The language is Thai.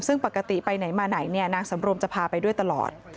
ซึ่งปกติไปไหนมาไหนเนี่ยนางสำรวมจะพาไปด้วยตลอด